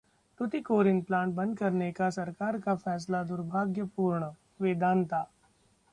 Tuticorin plant बंद करने का सरकार का फैसला ‘दुभार्ग्यपूर्ण’: वेदांता